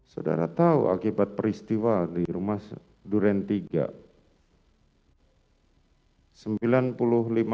saudara tahu akibat peristiwa di rumah duren tiga